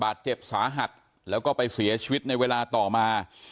บาดเจ็บสาหัสแล้วก็ไปเสียชีวิตในเวลาต่อมา